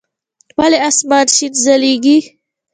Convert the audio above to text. ولي اسمان شين ځليږي؟